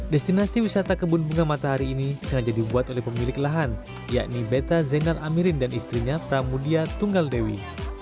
destinasi wisata kebun bunga matahari ini sengaja dibuat oleh pemilik lahan yakni beta zainal amirin dan istrinya pramudia tunggal dewi